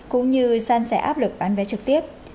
cũng như san sẻ áp lực bán vé trực tiếp